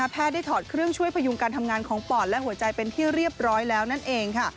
ได้ถอดเครื่องช่วยพยุงการทำงานของปอดและหัวใจเป็นที่เรียบร้อยแล้วนั่นเองค่ะ